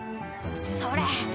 「それ！